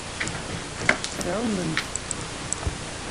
Tɛumemt.